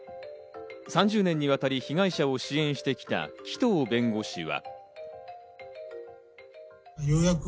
３０年にわたり被害者を支援してきた紀藤弁護士は。